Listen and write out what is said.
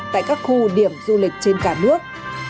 tại các khu điểm du lịch trên cả nước